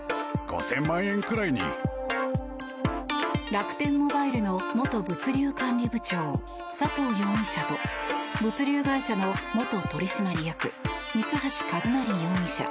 楽天モバイルの元物流管理部長佐藤容疑者と物流会社の元取締役三橋一成容疑者